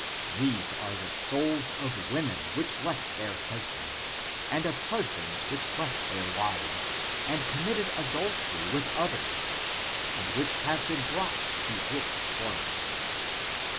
These are the souls of women, which left their husbands (and of husbands which left their wives), and committed adultery with others, and which have been brought to this torment.